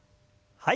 はい。